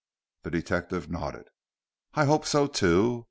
The detective nodded. "I hope so too.